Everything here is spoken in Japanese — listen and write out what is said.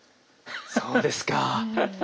そうですか。